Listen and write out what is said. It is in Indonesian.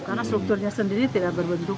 karena strukturnya sendiri tidak berbentuk